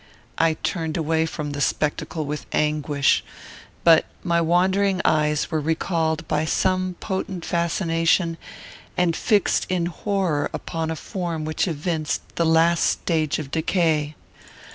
I turned away from the spectacle with anguish, but my wandering eyes were recalled by some potent fascination, and fixed in horror upon a form which evinced the last stage of decay.